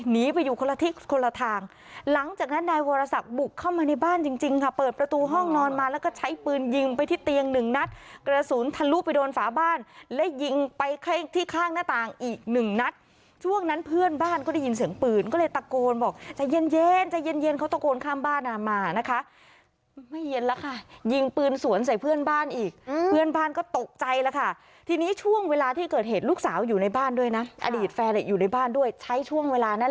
หนีไปอยู่คนละทิศคนละทางหลังจากนั้นนายโทรบุกเข้ามาในบ้านจริงค่ะเปิดประตูห้องนอนมาแล้วก็ใช้ปืนยิงไปที่เตียงหนึ่งนัดกระสุนทันลูกไปโดนฝาบ้านและยิงไปที่ข้างหน้าต่างอีกหนึ่งนัดช่วงนั้นเพื่อนบ้านก็ได้ยินเสียงปืนก็เลยตะโกนบอกใจเย็นเขาตะโกนข้ามบ้านมานะคะไม่เย็นแล้วค่ะยิงปืนส